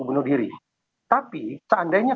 bunuh diri tapi seandainya